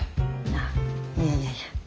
あいやいやいやいや。